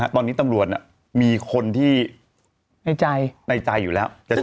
ตอนนี้ตำรวจมีคนที่ในใจอยู่แล้ว